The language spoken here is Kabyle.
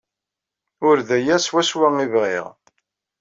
Ur d aya swaswa ay bɣiɣ.